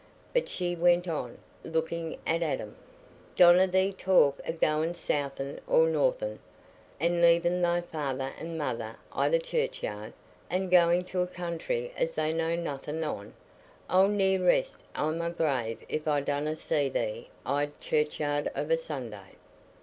But," she went on, looking at Adam, "donna thee talk o' goin' south'ard or north'ard, an' leavin' thy feyther and mother i' the churchyard, an' goin' to a country as they know nothin' on. I'll ne'er rest i' my grave if I donna see thee i' the churchyard of a Sunday."